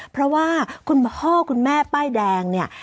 เพราะว่าคุณพ่อคุณแม่ป้ายแดงเนี่ย